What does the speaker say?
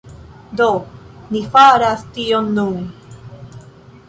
Do, ni faras tion nun